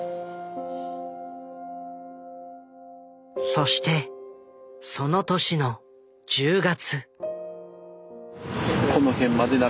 そしてその年の１０月。